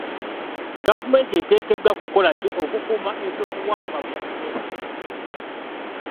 Gavumenti eteekeddwa kukola ki okukuuma ebyobuwangwa byaffe?